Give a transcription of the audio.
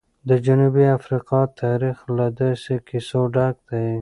د جنوبي افریقا تاریخ له داسې کیسو ډک دی.